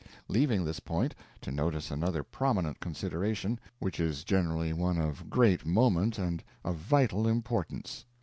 Leaving this point, to notice another prominent consideration, which is generally one of great moment and of vital importance.